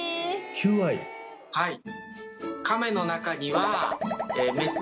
はい。